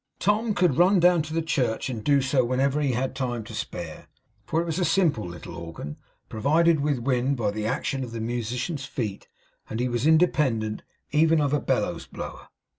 Tom could run down to the church and do so whenever he had time to spare; for it was a simple little organ, provided with wind by the action of the musician's feet; and he was independent, even of a bellows blower.